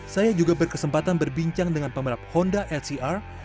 saya juga berkesempatan berbincang dengan pemerap honda lcr